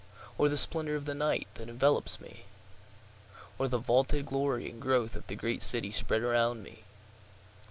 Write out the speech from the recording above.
Or the splendor of the night that envelopes me? Or the vaunted glory and growth of the great city spread around me?